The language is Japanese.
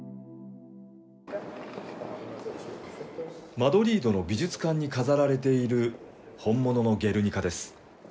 マドリードの美術館に飾られている本物のゲルニカです。